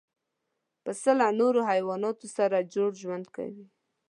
پسه له نورو حیواناتو سره جوړ ژوند کوي.